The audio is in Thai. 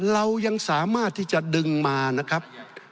เรายังสามารถที่จะดึงมานะครับ